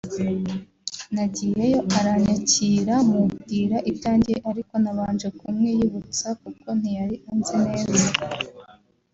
nagiyeyo aranyakira mubwira ibyanjye ariko nabanje kumwiyibutsa kuko ntiyari anzi neza